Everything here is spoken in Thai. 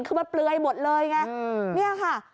คือมันเปลือยหมดเลยไงเนี่ยค่ะ